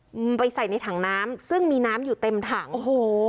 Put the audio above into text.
อืมไปใส่ในถังน้ำซึ่งมีน้ำอยู่เต็มถังโอ้โห